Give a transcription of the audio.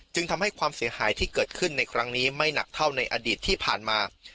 จึงทำให้ความเสียหายที่เกิดขึ้นในครั้งนี้ไม่หนักเท่าในอดีตที่ผ่านมา